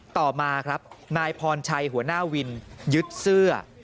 ต่อมาครับนายพรชัยหัวหน้าวินยึดเสื้อ